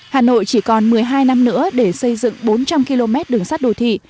hà nội chỉ còn một mươi hai năm nữa để xây dựng bốn trăm linh km đường sắt đô thị